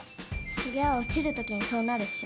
そりゃ落ちる時にそうなるっしょ。